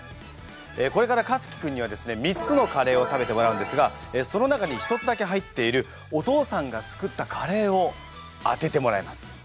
これからかつき君にはですね３つのカレーを食べてもらうんですがその中に１つだけ入っているお父さんが作ったカレーを当ててもらいます。